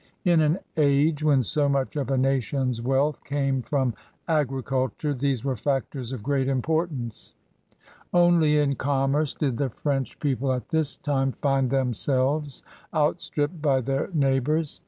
In an age when so much of a nation's wealth came from agriculture these were factors of great importance. Only in commerce did the French PRANCE OF THE BOURBONS 8 people at this time find themselves outstripped by their neighbors.